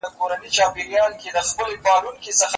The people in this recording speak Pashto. د خپلي مور پوړنی وړي د نن ورځي غازیان